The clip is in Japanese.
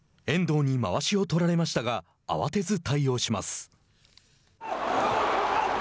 遠藤にまわしを取られましたが慌てず対応します。